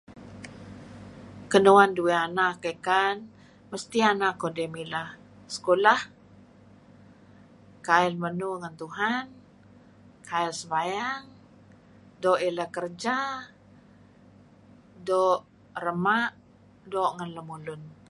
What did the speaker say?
Kinuan duih anak dih kan mesti duih anak dih mileh sekulah, kail menu ngen Tuhan, kail sembayang doo ileh kerja doo' rema', doo' ngen lemulun.